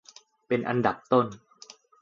เป็นอันดับต้น